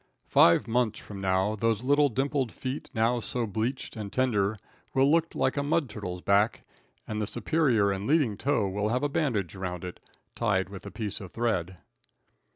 Five months from now those little dimpled feet, now so bleached and tender, will look like a mudturtle's back and the superior and leading toe will have a bandage around it, tied with a piece of thread.